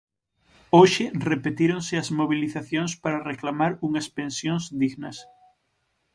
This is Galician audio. Hoxe repetíronse as mobilizacións para reclamar unhas pensións dignas.